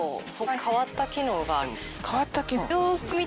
変わった機能。